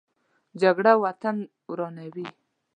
جګړه وطن ورانوي